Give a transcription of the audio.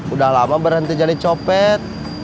udah lama berhenti jadi copet